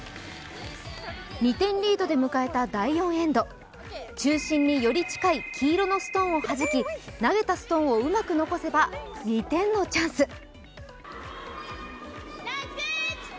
２点リードで迎えた第４エンド中心により近い黄色のストーンを弾き投げたストーンをうまく残せば２点のチャンス。